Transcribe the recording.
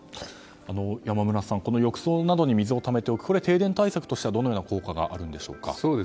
山村さん浴槽などに水をためておくのはこれは停電対策としてはどのような効果があるんでしょう。